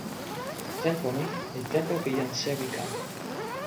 tenpo ni li tenpo pi jan sewi kama.